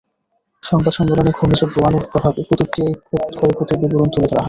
সংবাদ সম্মেলনে ঘূর্ণিঝড় রোয়ানুর প্রভাবে কুতুবদিয়ায় ক্ষয়ক্ষতির বিবরণ তুলে ধরা হয়।